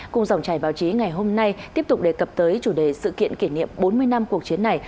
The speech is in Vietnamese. cùng dòng trải báo chí ngày hôm nay tiếp tục đề cập tới chủ đề sự kiện kỷ niệm bốn mươi năm cuộc chiến này